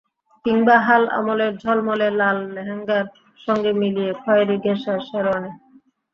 কিংবা হাল আমলের ঝলমলে লাল লেহেঙ্গার সঙ্গে মিলিয়ে খয়েরি ঘেঁষা শেরওয়ানি।